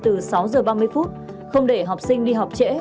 từ sáu h ba mươi không để học sinh đi học trễ